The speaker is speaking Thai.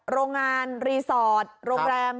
โรงงานรีสอร์ทโรงแรม